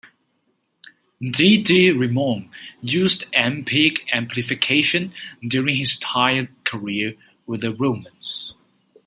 Dee Dee Ramone used Ampeg amplification during his entire career with the Ramones.